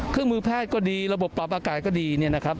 เครื่องมือแพทย์ก็ดีระบบปรับอากาศก็ดี